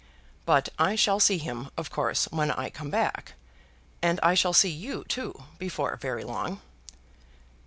But I shall see him, of course, when I come back. And I shall see you too before very long."